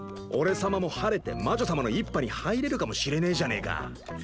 俺様も晴れて魔女様の一派に入れるかもしれねえじゃねえか。